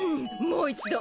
もう一度。